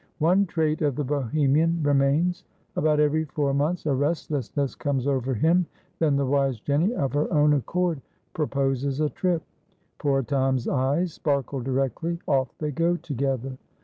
One trait of the Bohemian remains. About every four months a restlessness comes over him; then the wise Jenny of her own accord proposes a trip. Poor Tom's eyes sparkle directly; off they go together.